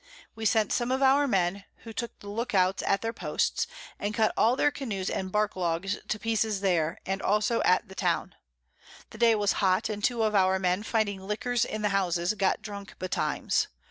We sent some of our Men, who took the Look outs at their Posts, and cut all their Canoes and Bark Logs to pieces there, and also at the Town., The Day was hot, and two of our Men finding Liquors in the Houses, got drunk betimes.